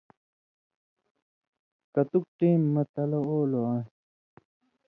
کتُک ٹېم مہ تلہ اولو آن٘س